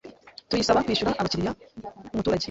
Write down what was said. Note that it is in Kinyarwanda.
tuyisaba kwishyura abakiriya umuturage.